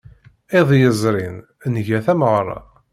Iḍ yezrin, nga tameɣra.